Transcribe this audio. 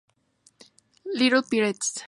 Little Pirates